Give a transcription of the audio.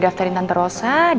masaknya banyak gini